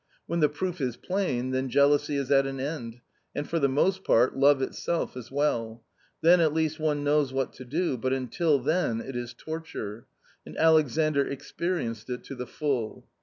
When the proof is plain, then jealousy is at an end, and, for the most part, love itself as well ; then at least one knows what to do, but until then it is torture ! And Alexandr experienced it to the full.